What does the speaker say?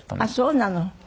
あっそうなの。